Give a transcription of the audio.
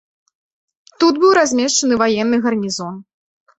Тут быў размешчаны ваенны гарнізон.